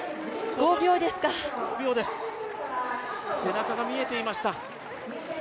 ５秒です、背中が見えていました。